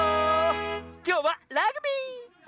きょうはラグビー！